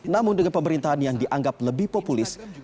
namun dengan pemerintahan yang dianggap lebih populis